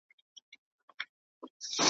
د حق مخ ته به دریږو څنګ پر څنګ به سره مله یو ,